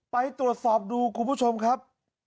ไปตรวจสอบดูคุณผู้ชมครับ